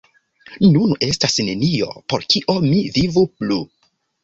Nun estas nenio, por kio mi vivu plu“.